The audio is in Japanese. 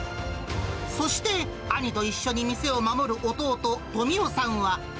そして、兄と一緒に店を守る弟、富男さんは。